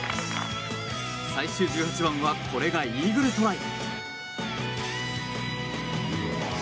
最終１８番はこれがイーグルトライ。